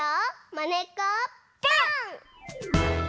「まねっこぽん！」。